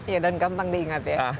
iya dan gampang diingat ya